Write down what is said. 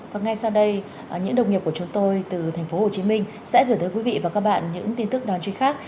và ngay sau đây những đồng nghiệp của chúng tôi từ thành phố hồ chí minh sẽ gửi tới quý vị và các bạn những tin tức đáng chú ý khác